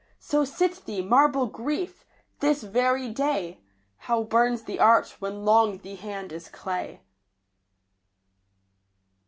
So sit thee, marble Grief ! this very day How burns the art when long the hand is clay